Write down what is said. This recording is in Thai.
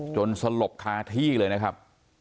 สลบคาที่เลยนะครับ